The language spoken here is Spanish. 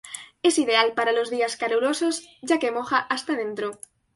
Es ideal para los días calurosos ya que moja hasta dentro.